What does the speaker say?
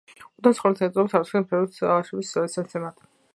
უდაბნოს სახელი ეწოდა ავსტრალიის მკვლევრის ჩარლზ სტერტის პატივსაცემად.